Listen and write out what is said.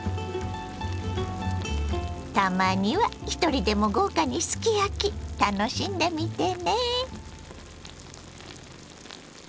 たまにはひとりでも豪華にすき焼き楽しんでみてね！